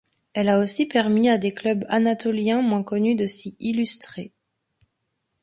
Elle a aussi permis à des clubs anatoliens moins connus de s'y illustrer.